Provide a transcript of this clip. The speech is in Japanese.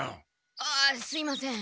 ああすいません。